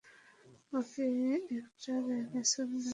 ওটা কি একটা ডাইনোসর নাকি?